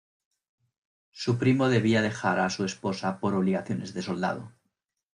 Su primo debía dejar a su esposa por sus obligaciones de soldado.